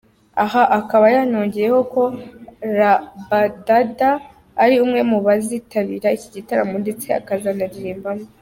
Aha akaba yanongeyeho ko Rabadaba ari umwe mu bazitabira iki gitaramo ndetse akazanaririmbamo.